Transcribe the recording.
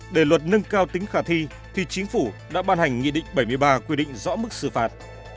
để luật nâng cao tính khả thi thì chính phủ đã ban hành nghị định bảy mươi ba quy định rõ mức xử phạt